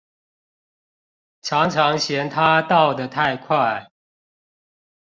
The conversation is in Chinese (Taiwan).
常常嫌牠到得太快